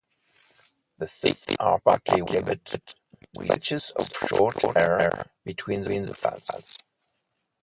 The feet are partly webbed, with patches of short hair between the footpads.